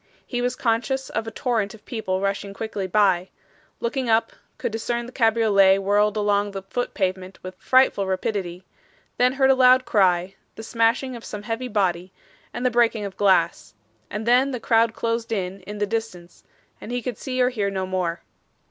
He was conscious of a torrent of people rushing quickly by looking up, could discern the cabriolet whirled along the foot pavement with frightful rapidity then heard a loud cry, the smashing of some heavy body, and the breaking of glass and then the crowd closed in in the distance, and he could see or hear no more.